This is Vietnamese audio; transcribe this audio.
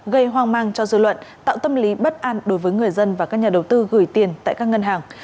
gây hoang mang cho dư luận tạo tâm lý bất an đối với người dân và các nhà đầu tư gửi tiền tại các ngân hàng